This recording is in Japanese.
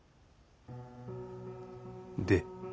で？